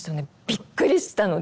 びっくりしたので。